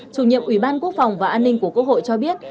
chủ nhiệm ủy ban quốc phòng và an ninh của quốc hội cho biết